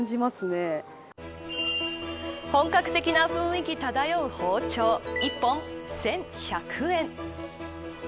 本格的な雰囲気漂う包丁１本１１００円。